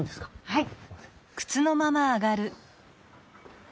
はい。